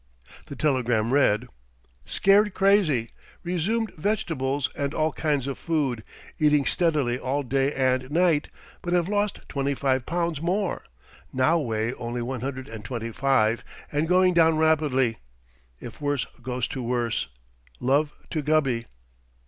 The telegram read: Scared crazy. Resumed vegetables and all kinds of food, eating steadily all day and night, but have lost twenty five pounds more. Now weigh only one hundred and twenty five and going down rapidly. If worse goes to worst, love to Gubby.